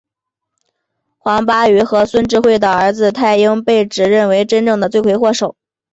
黄巴宇和孙智慧的儿子泰英被指认为真正的罪魁祸首。